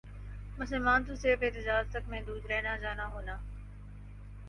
مسلمان تو صرف احتجاج تک محدود رہنا جانا ہونا